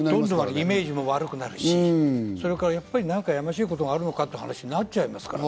イメージも悪くなるし、何か、やましいことがあるのかという話になっちゃう。